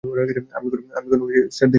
আমি কোন সেট দেখতে চাই না।